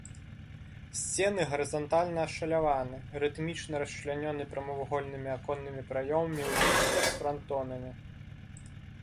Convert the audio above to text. Сцены гарызантальна ашаляваны, рытмічна расчлянёны прамавугольнымі аконнымі праёмамі ў ліштвах з франтонамі.